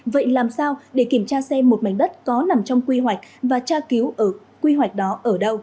vậy làm sao để kiểm tra xem một mảnh đất có nằm trong quy hoạch và tra cứu ở quy hoạch đó ở đâu